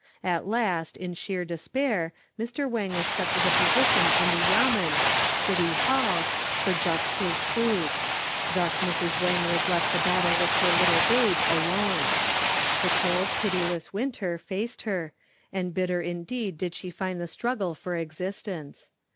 At last in sheer despair Mr. Wang accepted a position in the Yamen (City Hall) for just his food. Thus Mrs. Wang was left to battle with her little babe alone. The cold pitiless winter faced her and bitter indeed did she find the struggle for existence.